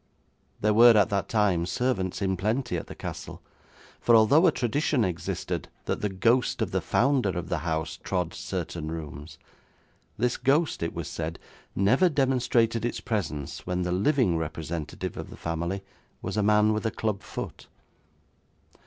There were at that time servants in plenty at the castle, for although a tradition existed that the ghost of the founder of the house trod certain rooms, this ghost, it was said, never demonstrated its presence when the living representative of the family was a man with a club foot.